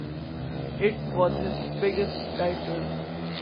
It was his biggest title.